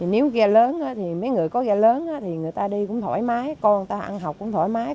nếu ghe lớn thì mấy người có da lớn thì người ta đi cũng thoải mái con ta ăn học cũng thoải mái